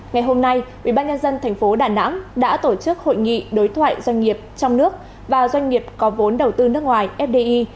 ngày hôm nay ubnd tp đà nẵng đã tổ chức hội nghị đối thoại doanh nghiệp trong nước và doanh nghiệp có vốn đầu tư nước ngoài fdi